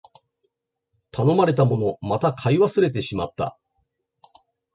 頼まれたもの、また買い忘れてしまった